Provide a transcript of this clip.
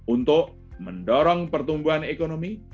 untuk mendorong pertumbuhan ekonomi